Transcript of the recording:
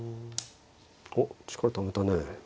おっ力ためたね。